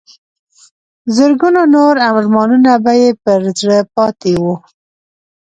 زرګونو نور ارمانونه به یې پر زړه پاتې وو.